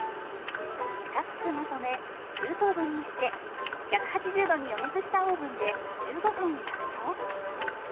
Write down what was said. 四角くまとめ９等分にして１８０度に予熱したオーブンで１５分焼くと。